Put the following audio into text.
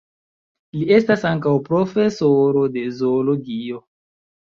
Li estas ankaŭ profesoro de zoologio.